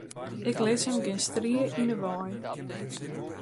Ik lis him gjin strie yn 'e wei.